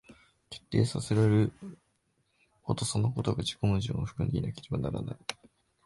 決定せられることそのことが自己矛盾を含んでいなければならない。